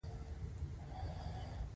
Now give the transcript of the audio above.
د شیام زبېښونکي بنسټونه پرمختګ ګڼل کېده.